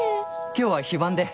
今日は非番で。